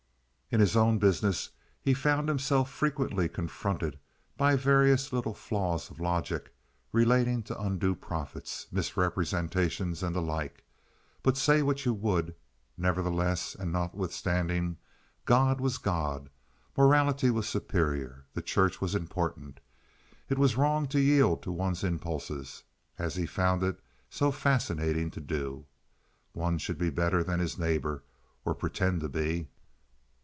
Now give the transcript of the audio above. In his own business he found himself frequently confronted by various little flaws of logic relating to undue profits, misrepresentations, and the like; but say what you would, nevertheless and notwithstanding, God was God, morality was superior, the church was important. It was wrong to yield to one's impulses, as he found it so fascinating to do. One should be better than his neighbor, or pretend to be.